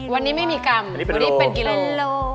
วันนี้ไม่มีกรัมวันนี้เป็นกิโลเป็นโล